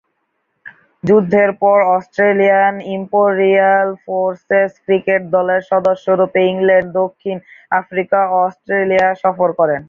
যুদ্ধের পর Australian Imperial Forces cricket দলের সদস্যরূপে ইংল্যান্ড, দক্ষিণ আফ্রিকা ও অস্ট্রেলিয়া সফর করেন।